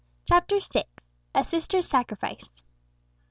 D. CHAPTER VI. A SISTER'S SACRIFICE.